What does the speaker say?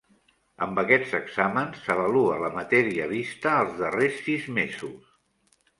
Amb aquests exàmens s'avalua la matèria vista els darrers sis mesos.